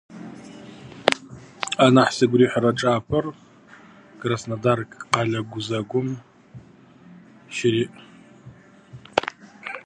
Анахь сыгу рихырэ чӏапӏэр Къырэснадар къалэ гузэгум щырыӏ.